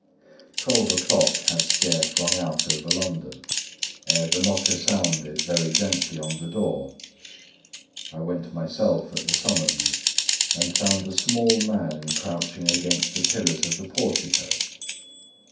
Twelve o'clock had scarce rung out over London, ere the knocker sounded very gently on the door. I went myself at the summons, and found a small man crouching against the pillars of the portico.